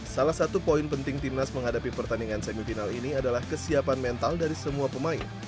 salah satu poin penting timnas menghadapi pertandingan semifinal ini adalah kesiapan mental dari semua pemain